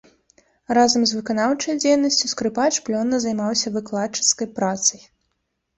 Разам з выканаўчай дзейнасцю скрыпач плённа займаўся выкладчыцкай працай.